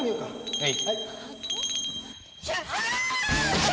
はい。